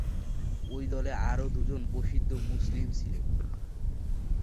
ওই দলে আরও দুজন প্রসিদ্ধ মুসলিম ছিলো।